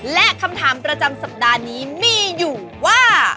และคำถามประจำสัปดาห์นี้มีอยู่ว่า